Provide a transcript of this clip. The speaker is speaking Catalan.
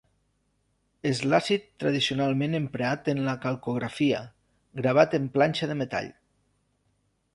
És l'àcid tradicionalment emprat en la calcografia, gravat en planxa de metall.